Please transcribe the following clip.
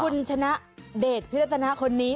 คุณชนะเดชพิรัตนาคนนี้